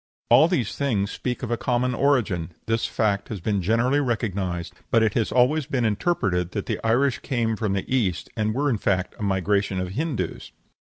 All these things speak of a common origin; this fact has been generally recognized, but it has always been interpreted that the Irish came from the East, and were in fact a migration of Hindoos.